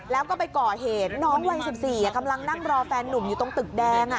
แล้วก็ไปก่อเหตุน้องวัย๑๔กำลังนั่งรอแฟนนุ่มอยู่ตรงตึกแดง